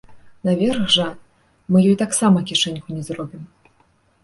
Наверх жа мы ёй таксама кішэньку не зробім.